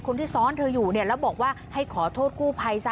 คนที่ซ้อนเธออยู่เนี่ยแล้วบอกว่าให้ขอโทษกู้ภัยซะ